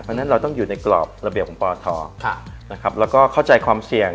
เพราะฉะนั้นเราต้องอยู่ในกรอบระเบียบของปทแล้วก็เข้าใจความเสี่ยง